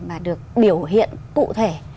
mà được biểu hiện cụ thể